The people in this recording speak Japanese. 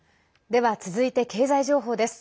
では、続いて経済情報です。